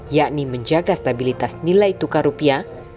yakni menjaga stabilitas nilai tukar rupiah